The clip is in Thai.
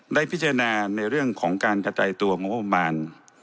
ได้พิจารณาในเรื่องของการกระจายตัวงบประมาณ